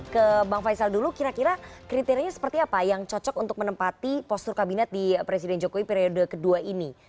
ke bang faisal dulu kira kira kriterianya seperti apa yang cocok untuk menempati postur kabinet di presiden jokowi periode kedua ini